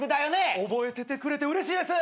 覚えててくれてうれしいです！